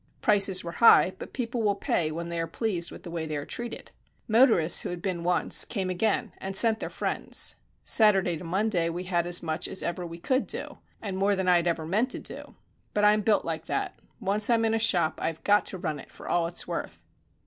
Prices were high, but people will pay when they are pleased with the way they are treated. Motorists who had been once came again and sent their friends. Saturday to Monday we had as much as ever we could do, and more than I had ever meant to do. But I am built like that once I am in a shop I have got to run it for all it's worth.